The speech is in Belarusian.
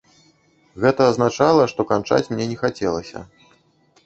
Гэта азначала, што канчаць мне не хацелася.